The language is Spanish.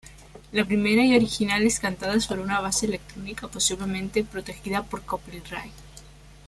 La primera y original es cantada sobre una base electrónica posiblemente protegida por copyright.